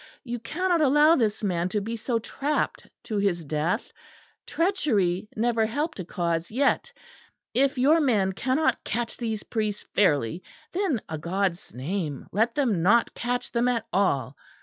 You cannot allow this man to be so trapped to his death! Treachery never helped a cause yet. If your men cannot catch these priests fairly, then a God's name, let them not catch them at all!